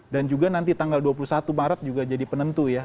dan juga nanti tanggal dua puluh satu maret juga jadi penentu ya